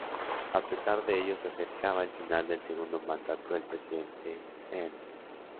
A pesar de ello se acercaba el final del segundo mandato del presidente Eanes.